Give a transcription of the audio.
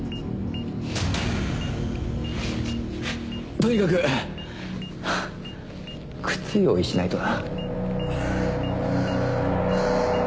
とにかく靴用意しないとな。